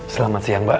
selamat siang mbak